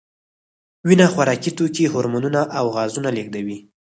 وینه خوراکي توکي، هورمونونه او غازونه لېږدوي.